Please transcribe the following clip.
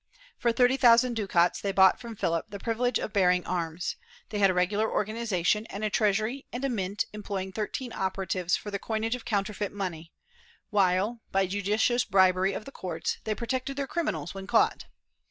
For thirty thousand ducats they bought from Philip the privilege of bearing arms; they had a regular organization and a treasury and a mint employing thirteen operatives for the coinage of counterfeit money, while, by judicious bribery of the courts, they protected their criminals when caught.